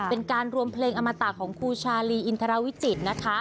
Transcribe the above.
เป็นการรวมเพลงอมตะของครูชาลีอินทรวิจิตรนะคะ